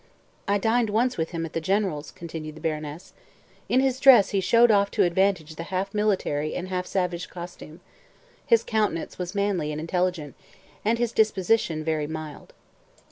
'I dined once with him at the General's,' continued the baroness. 'In his dress he showed off to advantage the half military and half savage costume. His countenance was manly and intelligent, and his disposition very mild.'